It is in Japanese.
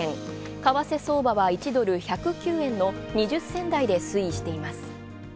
為替相場は１ドル１０９円の２０銭台で推移しています。